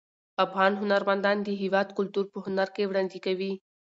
افغان هنرمندان د هیواد کلتور په هنر کې وړاندې کوي.